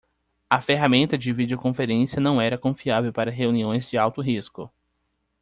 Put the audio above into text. A ferramenta de videoconferência não era confiável para reuniões de alto risco.